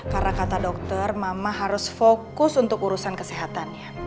karena kata dokter mama harus fokus untuk urusan kesehatannya